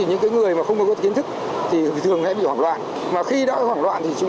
những người mà không có kiến thức thì thường sẽ bị hoảng loạn mà khi đã hoảng loạn thì chúng